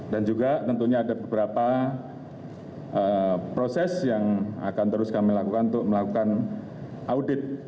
dan juga tentunya ada beberapa proses yang akan terus kami lakukan untuk melakukan audit